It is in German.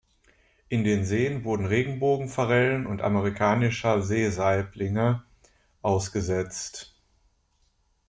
In den Seen wurden Regenbogenforellen und Amerikanischer Seesaiblinge ausgesetzt.